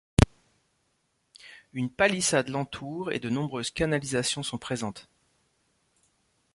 Une palissade l'entoure et de nombreuses canalisations sont présentes.